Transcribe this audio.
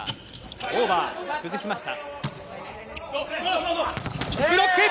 オーバー、崩しました。